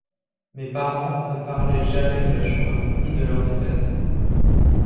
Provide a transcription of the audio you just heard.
Mes parents ne parlaient jamais de la Shoah ni de leurs vies passées.